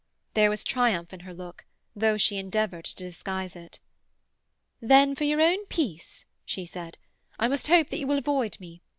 There was triumph in her look, though she endeavoured to disguise it. "Then, for your own peace," she said, "I must hope that you will avoid me.